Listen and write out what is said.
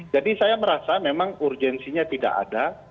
jadi saya merasa memang urgensinya tidak ada